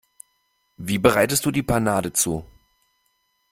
Wie bereitest du die Panade zu?